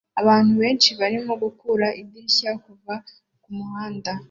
Abantu benshi barimo kugura idirishya kuva kumuhanda